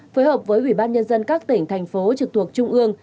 phối hợp với ubnd các tỉnh thành phố trực thuộc trung ương